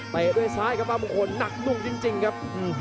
แตะด้วยซ้ายฟ้ามงคลนักนุ่งจริงครับ